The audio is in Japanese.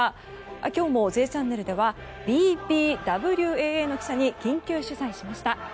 今日も「Ｊチャンネル」ではＢＢＷＡＡの記者に緊急取材しました。